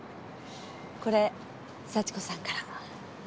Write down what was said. これ幸子さんから。